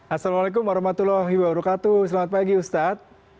assalamualaikum warahmatullahi wabarakatuh selamat pagi ustadz